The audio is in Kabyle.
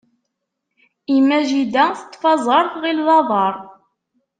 Imma jidda teṭṭef aẓaṛ, tɣil d aḍaṛ.